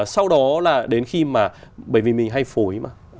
sau đó là đến khi mà bởi vì mình hay phối mà